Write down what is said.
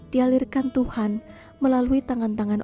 dialirkan tuhan melalui tangan tangan